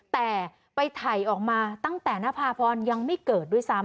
แต่ไปถ่ายออกมาตั้งแต่นภาพรยังไม่เกิดด้วยซ้ำ